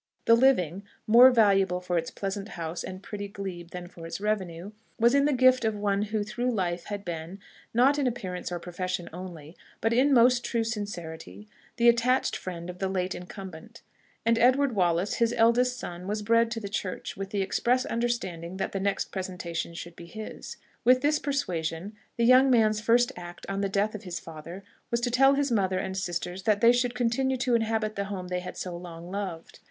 The living, more valuable for its pleasant house and pretty glebe than for its revenue, was in the gift of one who through life had been, not in appearance or profession only, but in most true sincerity, the attached friend of the late incumbent; and Edward Wallace, his eldest son, was bred to the church with the express understanding that the next presentation should be his. With this persuasion, the young man's first act on the death of his father was to tell his mother and sisters that they should continue to inhabit the home they had so long loved.